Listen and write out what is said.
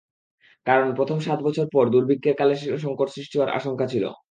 কারণ, প্রথম সাত বছর পর দুর্ভিক্ষের কালে সংকট সৃষ্টি হওয়ার আশংকা ছিল।